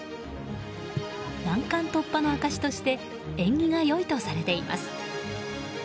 難関突破の証しとして縁起が良いとされています。